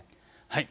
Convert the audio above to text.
はい。